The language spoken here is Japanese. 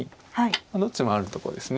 どっちもあるとこです。